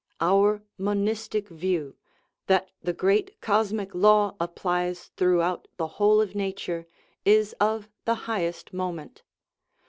Our monistic view, that the great cosmic law applies throughout the whole of nature, is of the highest mo ment.